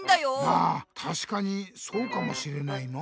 まあたしかにそうかもしれないな。